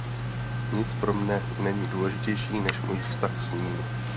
Nic pro mne není důležitější než můj vztah s ním.